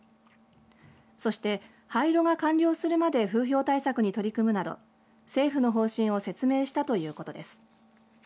そして廃炉が完了するまで風評対策に取り組むなど政府の方針を説明したということです。